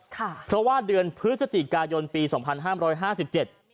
ค่ะเพราะว่าเดือนพฤศจิกายนปีสองพันห้ามร้อยห้าสิบเจ็ด